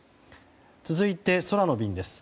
続いて、空の便です。